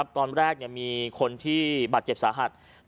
ตอนแรกมีคนที่บาดเจ็บสาหัส